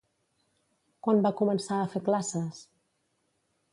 Quan va començar a fer classes?